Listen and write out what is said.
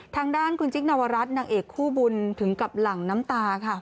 ทางด้านคุณจิ๊กนวรัฐนางเอกคู่บุญถึงกับหลั่งน้ำตาค่ะ